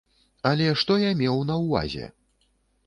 Але што я меў на ўвазе?